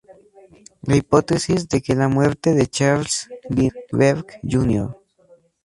La hipótesis de que la muerte de Charles Lindbergh Jr.